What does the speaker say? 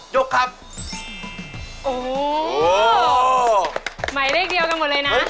เจอครับพี่นิว